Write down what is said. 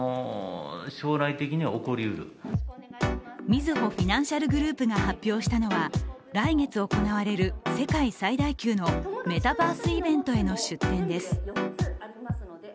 みずほフィナンシャルグループが発表したのは来月行われる世界最大級のメタバースイベントへの出展です。